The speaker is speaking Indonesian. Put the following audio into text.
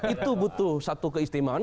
itu butuh satu keistimewaan